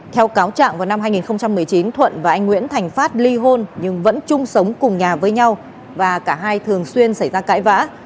theo cáo trạng vào năm hai nghìn một mươi chín thuận và anh nguyễn thành phát ly hôn nhưng vẫn chung sống cùng nhà với nhau và cả hai thường xuyên xảy ra cãi vã